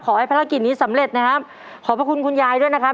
ภารกิจนี้สำเร็จนะครับขอบพระคุณคุณยายด้วยนะครับ